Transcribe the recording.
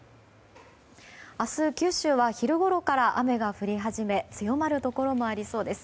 明日九州は昼ごろから雨が降り始め強まるところもありそうです。